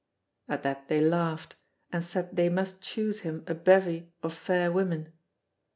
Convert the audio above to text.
At that they laughed, and said they must choose him a bevy of fair women.